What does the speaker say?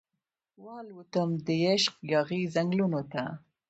والوتم دعشق یاغې ځنګلونو ته